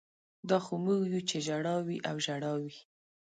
دا خو موږ یو چې ژړا وي او ژړا وي